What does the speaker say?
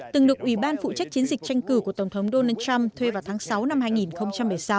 từng được ủy ban phụ trách chiến dịch tranh cử của tổng thống donald trump thuê vào tháng sáu năm hai nghìn một mươi sáu